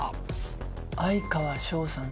哀川翔さん